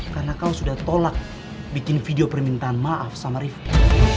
karena kau sudah tolak bikin video permintaan maaf sama rifki